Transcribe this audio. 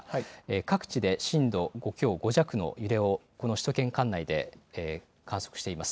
各地で震度５強、５弱の揺れを首都圏管内で観測しています。